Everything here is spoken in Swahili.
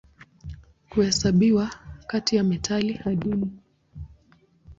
Huhesabiwa kati ya metali adimu.